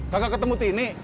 kakak ketemu tini